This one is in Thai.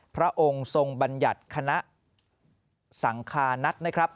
พระองค์ทรงบัญญัติคณะสังคานักนะครับ